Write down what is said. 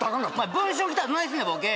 「文春」来たらどないすんねんボケ